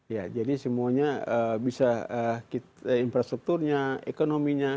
ya jadi semuanya bisa infrastrukturnya ekonominya